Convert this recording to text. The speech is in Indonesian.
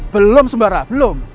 belum sembara belum